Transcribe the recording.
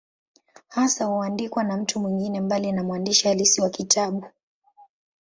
Hasa huandikwa na mtu mwingine, mbali na mwandishi halisi wa kitabu.